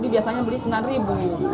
biasanya beli rp sembilan